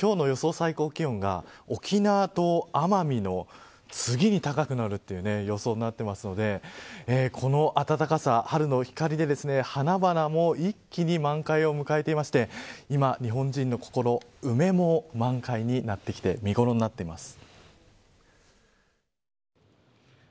最高気温が沖縄と奄美の次に高くなるという予想になっていますのでこの暖かさ、春の光で花々も一気に満開を迎えていまして今、日本人の心梅も満開になってきて見頃になっています。